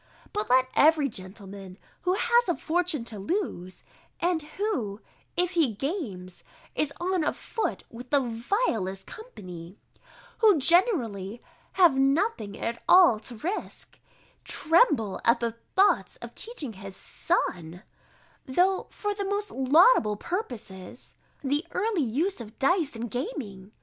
But let every gentleman, who has a fortune to lose, and who, if he games, is on a foot with the vilest company, who generally have nothing at all to risque, tremble at the thoughts of teaching his son, though for the most laudable purposes, the early use of dice and gaming.